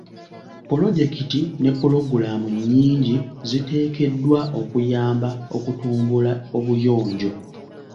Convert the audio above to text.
Pulojekiti ne pulogulaamu nnyingi ziteekeddwawo okuyamba okutumbula obuyonjo.